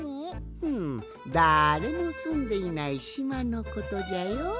ふむだれもすんでいないしまのことじゃよ。